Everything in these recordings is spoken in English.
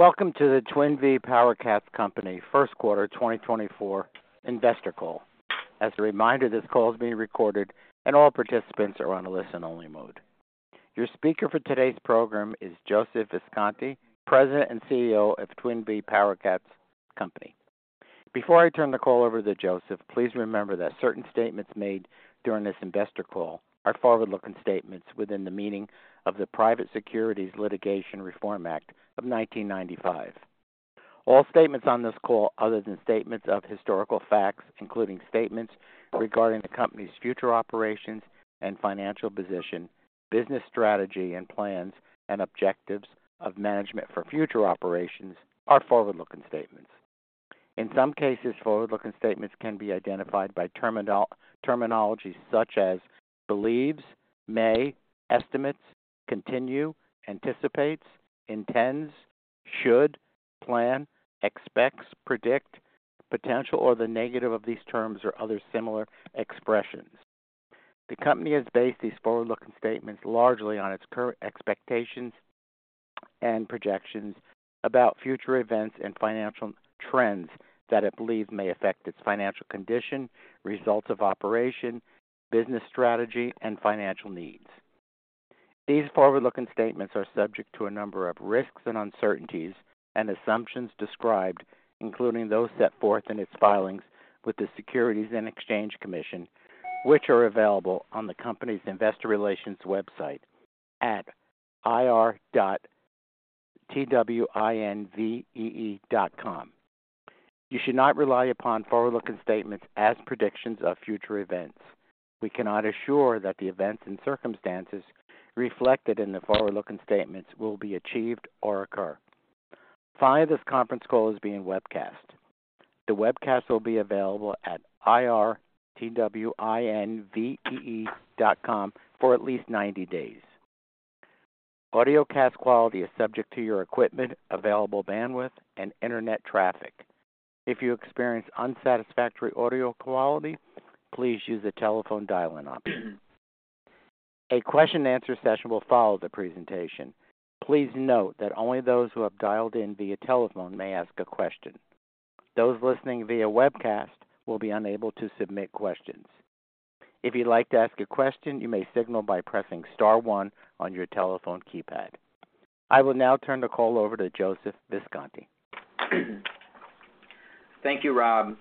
Welcome to the Twin Vee PowerCats Company, First Quarter 2024, investor call. As a reminder, this call is being recorded and all participants are on a listen-only mode. Your speaker for today's program is Joseph Visconti, President and CEO of Twin Vee PowerCats Company. Before I turn the call over to Joseph, please remember that certain statements made during this investor call are forward-looking statements within the meaning of the Private Securities Litigation Reform Act of 1995. All statements on this call, other than statements of historical facts, including statements regarding the company's future operations and financial position, business strategy and plans, and objectives of management for future operations, are forward-looking statements. In some cases, forward-looking statements can be identified by terminology such as believes, may, estimates, continue, anticipates, intends, should, plan, expects, predict, potential, or the negative of these terms or other similar expressions. The company has based these forward-looking statements largely on its current expectations and projections about future events and financial trends that it believes may affect its financial condition, results of operation, business strategy, and financial needs. These forward-looking statements are subject to a number of risks and uncertainties and assumptions described, including those set forth in its filings with the Securities and Exchange Commission, which are available on the company's investor relations website at ir.twinvee.com. You should not rely upon forward-looking statements as predictions of future events. We cannot assure that the events and circumstances reflected in the forward-looking statements will be achieved or occur. Find this conference call as being webcast. The webcast will be available at ir.twinvee.com for at least 90 days. Audiocast quality is subject to your equipment, available bandwidth, and internet traffic. If you experience unsatisfactory audio quality, please use the telephone dial-in option. A question-and-answer session will follow the presentation. Please note that only those who have dialed in via telephone may ask a question. Those listening via webcast will be unable to submit questions. If you'd like to ask a question, you may signal by pressing star one on your telephone keypad. I will now turn the call over to Joseph Visconti. Thank you, Rob.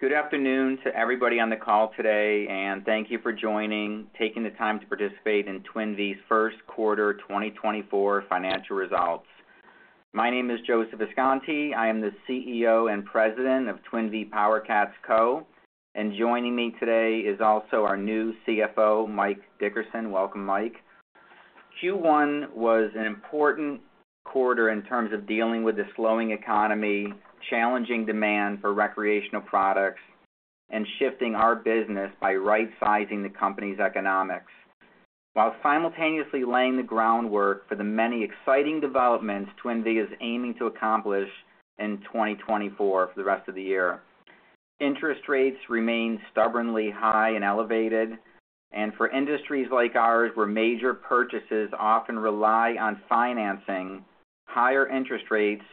Good afternoon to everybody on the call today, and thank you for joining, taking the time to participate in Twin Vee's First Quarter 2024 financial results. My name is Joseph Visconti. I am the CEO and President of Twin Vee PowerCats Co., and joining me today is also our new CFO, Mike Dickerson. Welcome, Mike. Q1 was an important quarter in terms of dealing with the slowing economy, challenging demand for recreational products, and shifting our business by right-sizing the company's economics while simultaneously laying the groundwork for the many exciting developments Twin Vee is aiming to accomplish in 2024 for the rest of the year. Interest rates remain stubbornly high and elevated, and for industries like ours, where major purchases often rely on financing, higher interest rates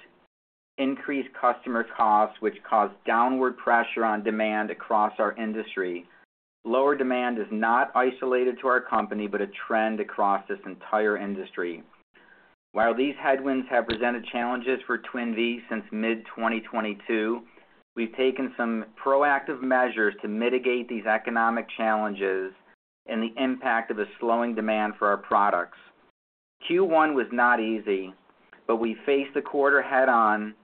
increase customer costs, which cause downward pressure on demand across our industry. Lower demand is not isolated to our company but a trend across this entire industry. While these headwinds have presented challenges for Twin Vee since mid-2022, we've taken some proactive measures to mitigate these economic challenges and the impact of the slowing demand for our products. Q1 was not easy, but we faced the quarter head-on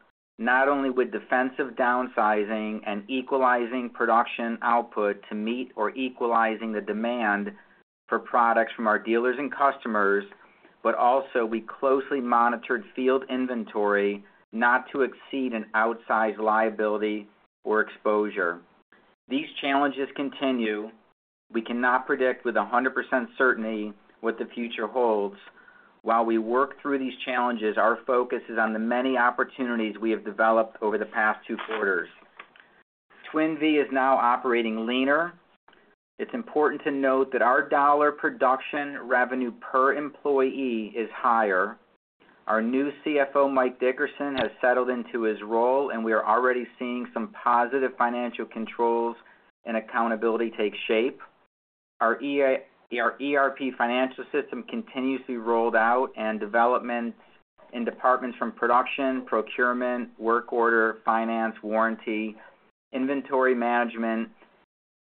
not only with defensive downsizing and equalizing production output to meet or equalizing the demand for products from our dealers and customers, but also we closely monitored field inventory not to exceed an outsized liability or exposure. These challenges continue. We cannot predict with 100% certainty what the future holds. While we work through these challenges, our focus is on the many opportunities we have developed over the past two quarters. Twin Vee is now operating leaner. It's important to note that our dollar production revenue per employee is higher. Our new CFO, Mike Dickerson, has settled into his role, and we are already seeing some positive financial controls and accountability take shape. Our ERP financial system continues to be rolled out and developments in departments from production, procurement, work order, finance, warranty, inventory management,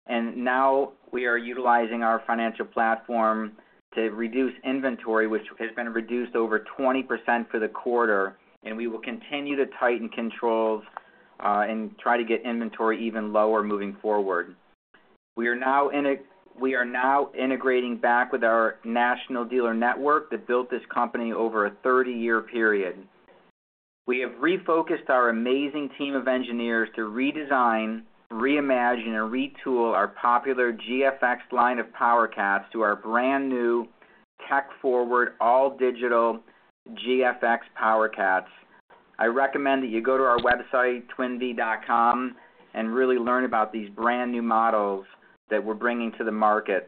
and now we are utilizing our financial platform to reduce inventory, which has been reduced over 20% for the quarter, and we will continue to tighten controls and try to get inventory even lower moving forward. We are now integrating back with our national dealer network that built this company over a 30-year period. We have refocused our amazing team of engineers to redesign, reimagine, and retool our popular GFX line of PowerCats to our brand-new, tech-forward, all-digital GFX PowerCats. I recommend that you go to our website, twinvee.com, and really learn about these brand-new models that we're bringing to the market.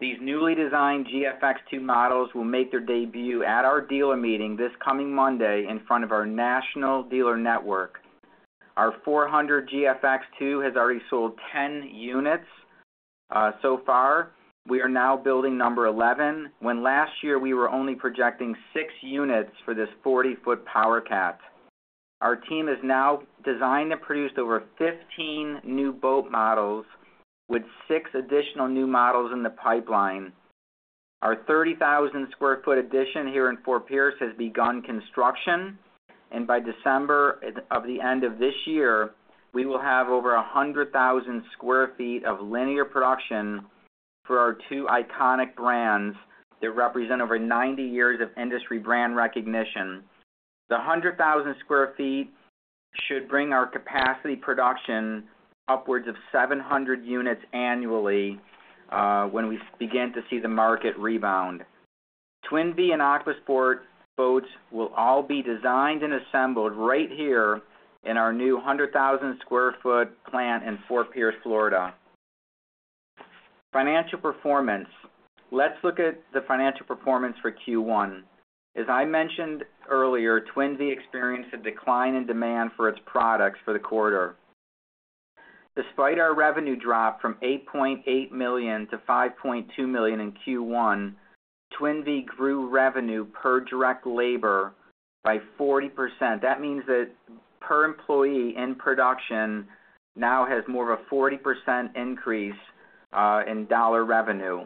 These newly designed GFX2 models will make their debut at our dealer meeting this coming Monday in front of our national dealer network. Our 400 GFX2 has already sold 10 units so far. We are now building number 11, when last year we were only projecting six units for this 40-foot PowerCat. Our team has now designed and produced over 15 new boat models with six additional new models in the pipeline. Our 30,000-sq-ft addition here in Fort Pierce has begun construction, and by December of the end of this year, we will have over 100,000 sq ft of linear production for our two iconic brands that represent over 90 years of industry brand recognition. The 100,000 sq ft should bring our capacity production upwards of 700 units annually when we begin to see the market rebound. Twin Vee and Aquasport boats will all be designed and assembled right here in our new 100,000 sq ft plant in Fort Pierce, Florida. Financial performance. Let's look at the financial performance for Q1. As I mentioned earlier, Twin Vee experienced a decline in demand for its products for the quarter. Despite our revenue drop from $8.8 million - $5.2 million in Q1, Twin Vee grew revenue per direct labor by 40%. That means that per employee in production now has more of a 40% increase in dollar revenue.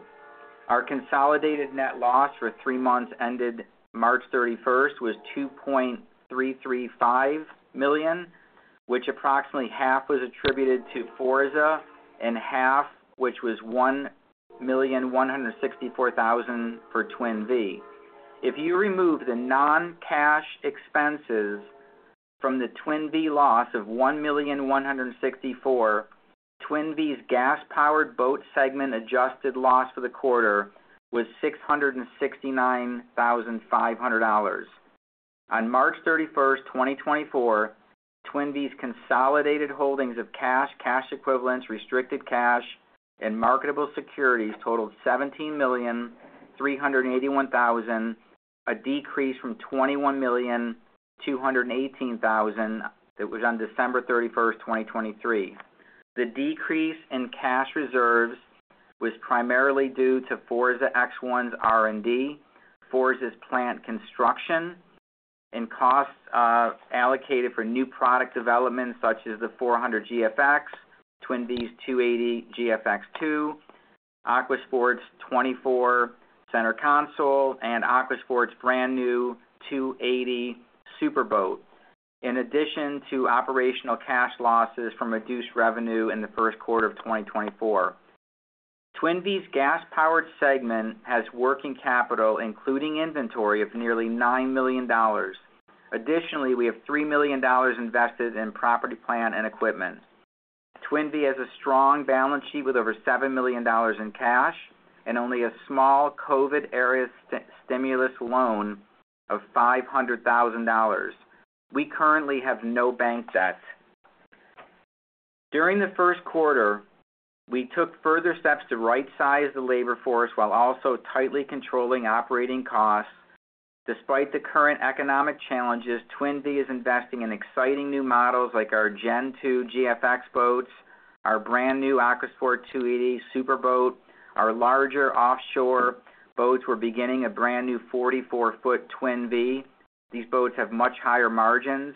Our consolidated net loss for three months ended March 31st was $2.335 million, which approximately half was attributed to Forza and half, which was $1,164,000 for Twin Vee. If you remove the non-cash expenses from the Twin Vee loss of $1,164,000, Twin Vee's gas-powered boat segment adjusted loss for the quarter was $669,500. On March 31st, 2024, Twin Vee's consolidated holdings of cash, cash equivalents, restricted cash, and marketable securities totaled $17,381,000, a decrease from $21,218,000 that was on December 31st, 2023. The decrease in cash reserves was primarily due to Forza X1's R&D, Forza's plant construction, and costs allocated for new product development such as the 400 GFX, Twin Vee's 280 GFX2, Aquasport's 24 center console, and Aquasport's brand-new 280 superboat, in addition to operational cash losses from reduced revenue in the first quarter of 2024. Twin Vee's gas-powered segment has working capital, including inventory, of nearly $9 million. Additionally, we have $3 million invested in property, plant, and equipment. Twin Vee has a strong balance sheet with over $7 million in cash and only a small COVID-era stimulus loan of $500,000. We currently have no bank debt. During the first quarter, we took further steps to right-size the labor force while also tightly controlling operating costs. Despite the current economic challenges, Twin Vee is investing in exciting new models like our Gen 2 GFX boats, our brand-new AquaSport 280 Superboat, our larger offshore boats we're beginning a brand-new 44-foot Twin Vee. These boats have much higher margins.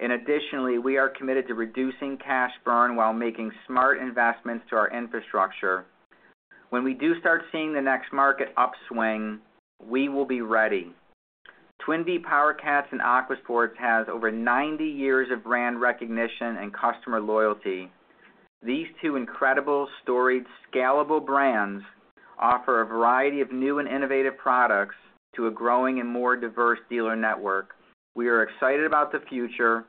In addition, we are committed to reducing cash burn while making smart investments to our infrastructure. When we do start seeing the next market upswing, we will be ready. Twin Vee PowerCats and AquaSport has over 90 years of brand recognition and customer loyalty. These two incredible, storied, scalable brands offer a variety of new and innovative products to a growing and more diverse dealer network. We are excited about the future,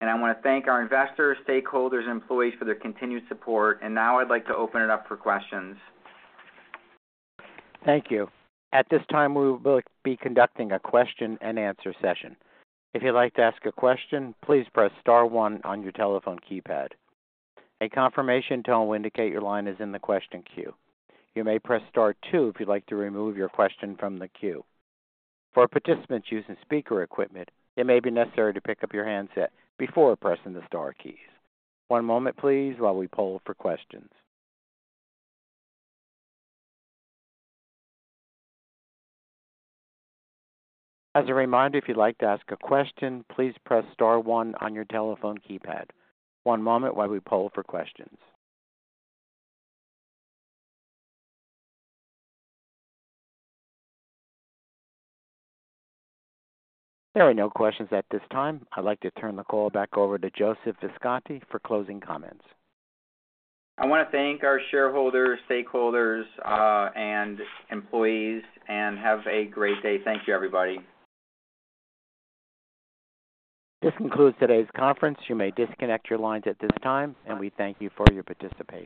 and I want to thank our investors, stakeholders, and employees for their continued support, and now I'd like to open it up for questions. Thank you. At this time, we will be conducting a question-and-answer session. If you'd like to ask a question, please press star one on your telephone keypad. A confirmation tone will indicate your line is in the question queue. You may press star two if you'd like to remove your question from the queue. For participants using speaker equipment, it may be necessary to pick up your handset before pressing the star keys. One moment, please, while we poll for questions. As a reminder, if you'd like to ask a question, please press star one on your telephone keypad. One moment, while we poll for questions. There are no questions at this time. I'd like to turn the call back over to Joseph Visconti for closing comments. I want to thank our shareholders, stakeholders, and employees, and have a great day. Thank you, everybody. This concludes today's conference. You may disconnect your lines at this time, and we thank you for your participation.